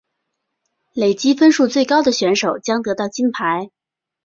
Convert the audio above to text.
累积分数最高的选手将得到金牌。